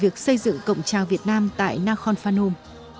chào việt nam tại nakhon phanom